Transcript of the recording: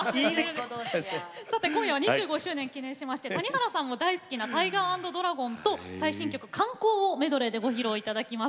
今夜は２５周年を記念して谷原さんも大好きな「タイガー＆ドラゴン」と最新曲「観光」をメドレーでご披露いただきます。